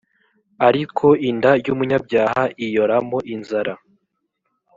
ariko inda y’umunyabya ioramo inzara